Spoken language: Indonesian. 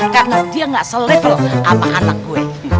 karena dia gak selifel sama anak gua